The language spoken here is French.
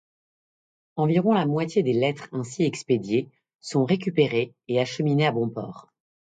Environ la moitié des lettres ainsi expédiées sont récupérées et acheminées à bon port.